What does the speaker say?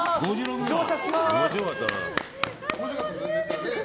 乗車します！